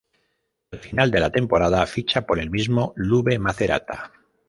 Al final de la temporada ficha por el mismo Lube Macerata.